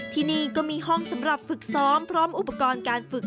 ที่นี่ก็มีห้องสำหรับฝึกซ้อมพร้อมอุปกรณ์การฝึก